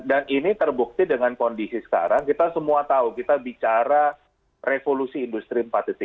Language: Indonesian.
dan ini terbukti dengan kondisi sekarang kita semua tahu kita bicara revolusi industri empat